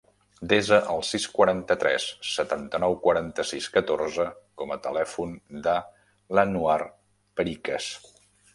Desa el sis, quaranta-tres, setanta-nou, quaranta-sis, catorze com a telèfon de l'Anouar Pericas.